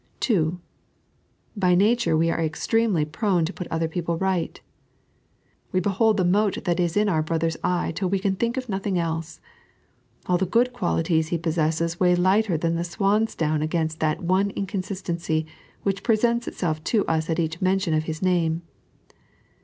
(2) By nature we are extremely prone to put other people right. We behold the mote that ia in our brother's eye till we can think of nothing else. All the good qualities he possesses weigh lighter than swansdown against that one inconsistency which presents itself to as at each mention of his name.